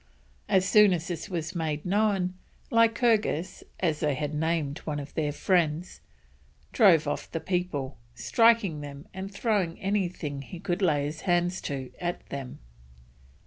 As soon as this was made known, Lycurgus, as they had named one of their friends, drove off the people, striking them and throwing anything he could lay his hand to, at them.